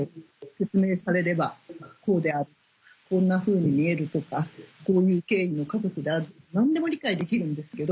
説明されればこうであるこんなふうに見えるとかこういう経緯の家族である何でも理解できるんですけど。